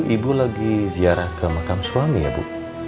ibu lagi ziarah ke makam suami ya bu